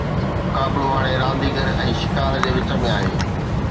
مقابلو هاڻي رانديگر ۽ شڪار جي وچ ۾ آهي.